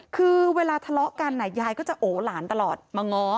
คือเวลาทะเลาะกันยายก็จะโอหลานตลอดมาง้อ